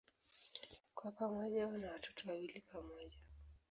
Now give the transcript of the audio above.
Kwa pamoja wana watoto wawili pamoja.